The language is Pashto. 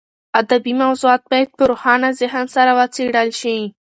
ادبي موضوعات باید په روښانه ذهن سره وڅېړل شي.